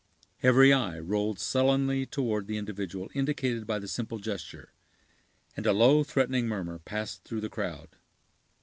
Every eye rolled sullenly toward the individual indicated by the simple gesture, and a low, threatening murmur passed through the crowd.